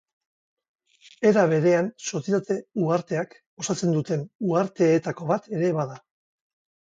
Era berean Sozietate uharteak osatzen duten uharteetako bat ere bada.